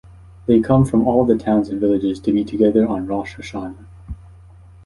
They come from all the towns and villages to be together on Rosh Hashana.